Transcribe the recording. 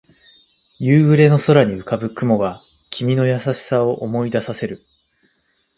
夕暮れの空に浮かぶ雲が君の優しさを思い出させる